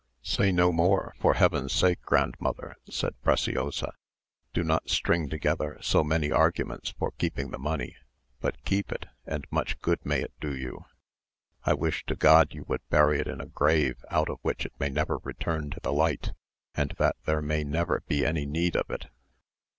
"Say no more, for heaven's sake, grandmother," said Preciosa; "do not string together so many arguments for keeping the money, but keep it, and much good may it do you. I wish to God you would bury it in a grave out of which it may never return to the light, and that there may never be any need of it.